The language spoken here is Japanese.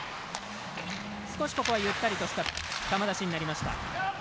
ここはゆったりとした球出しになりました。